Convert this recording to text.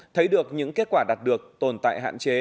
thấy được những kết quả đạt được tồn tại hạn chế